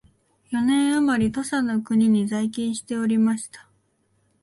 四年あまり土佐の国に在勤しておりました